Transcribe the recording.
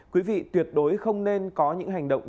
quý vị tuyệt đối không nên có những hành động